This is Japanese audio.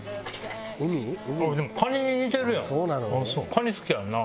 カニ好きやんな？